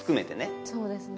そうですね